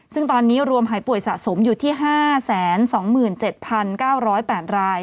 ซึ่งตอนนี้รวมหายป่วยสะสมอยู่ที่๕๒๗๙๐๘ราย